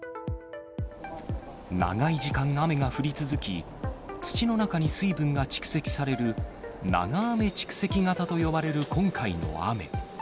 長い時間、雨が降り続き、土の中に水分が蓄積される、長雨蓄積型と呼ばれる今回の雨。